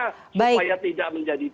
silakan bagaimana supaya tidak menjadikan